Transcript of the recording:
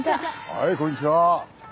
はいこんにちは。